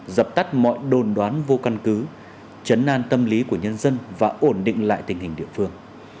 dập tắt mọi đồn đoán vô căn cứ chấn an tâm lý của nhân dân và ổn định lại tình hình địa phương